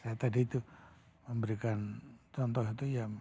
saya tadi itu memberikan contoh itu ya